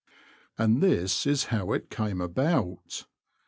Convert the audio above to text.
And this is how it came about.